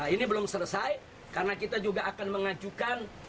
ini belum selesai karena kita juga akan mengajukan